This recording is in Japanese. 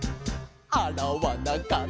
「あらわなかったな